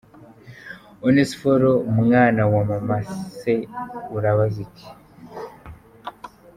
Onesphore mwana wa mama se urabaza iki.